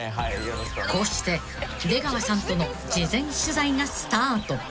［こうして出川さんとの事前取材がスタート］